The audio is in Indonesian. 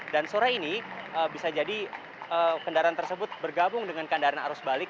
dan sore ini bisa jadi kendaraan tersebut bergabung dengan kendaraan arus balik